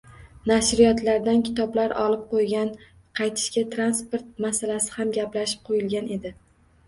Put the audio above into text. Nashriyotlardan kitoblar olib qo’ygan, qaytishga transpot masalasi ham gaplashib qo’yilgan edi.